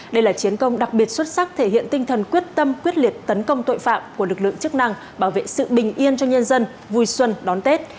đây là chiến công đặc biệt xuất sắc thể hiện tinh thần quyết tâm quyết liệt tấn công tội phạm của lực lượng chức năng bảo vệ sự bình yên cho nhân dân vui xuân đón tết